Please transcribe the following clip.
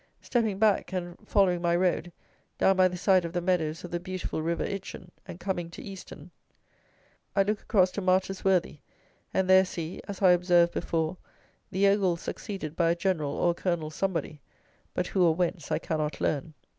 Stepping back, and following my road, down by the side of the meadows of the beautiful river Itchen, and coming to Easton, I look across to Martyr's Worthy, and there see (as I observed before) the Ogles succeeded by a general or a colonel somebody; but who, or whence, I cannot learn.